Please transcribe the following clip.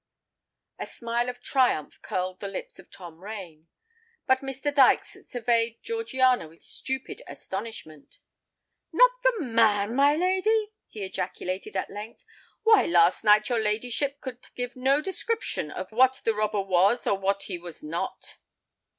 A smile of triumph curled the lips of Tom Rain; but Mr. Dykes surveyed Georgiana with stupid astonishment. "Not the man, my lady!" he ejaculated, at length: "why, last night, your ladyship could give no description of what the robber was or what he was not!"